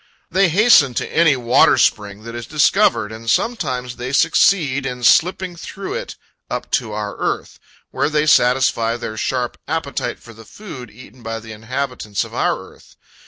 They hasten to any waterspring that is discovered, and sometimes they succeed in slipping through it up to our earth, where they satisfy their sharp appetite for the food eaten by the inhabitants of our earth.